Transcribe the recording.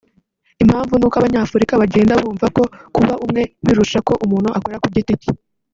Impamvu ni uko abanyafurika bagenda bumva ko kuba umwe birusha ko umuntu akora ku giti cye